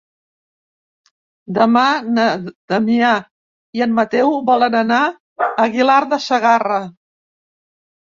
Demà na Damià i en Mateu volen anar a Aguilar de Segarra.